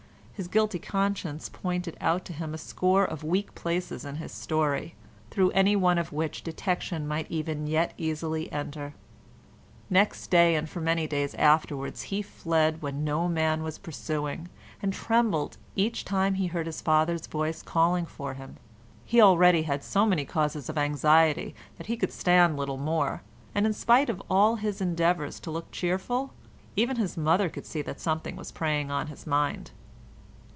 His guilty conscience pointed out to him a score of weak places in his story, through any one of which detection might even yet easily enter. Next day and for many days afterwards he fled when no man was pursuing, and trembled each time he heard his father's voice calling for him. He had already so many causes of anxiety that he could stand little more, and in spite of all his endeavours to look cheerful, even his mother could see that something was preying upon his mind.